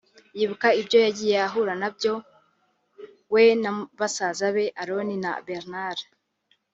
yibuka ibyo yagiye ahura na byo we na basaza be Aroni na Bernard